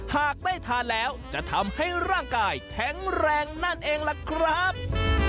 หากได้ทานแล้วจะทำให้ร่างกายแข็งแรงนั่นเองล่ะครับ